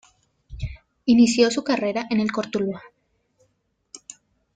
Inició su carrera en el Cortuluá.